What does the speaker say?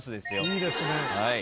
いいですね。